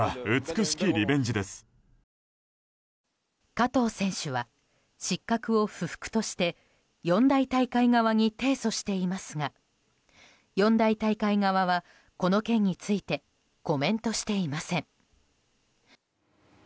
加藤選手は失格を不服として四大大会側に提訴していますが四大大会側は、この件についてコメントしていません。